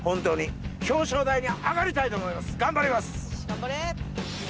頑張れ！